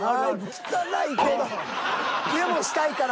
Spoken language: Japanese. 汚いから。